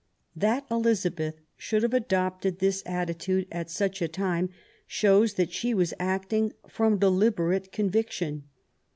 That Elizabeth should have adopted this attitude at such a time shows that she was acting from deliberate conviction.